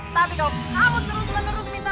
jangan lupa ya